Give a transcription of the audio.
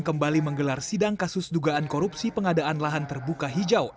kembali menggelar sidang kasus dugaan korupsi pengadaan lahan terbuka hijau